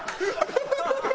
ハハハハ！